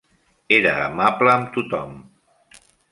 Era amable amb tothom.